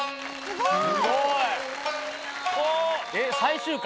すごい。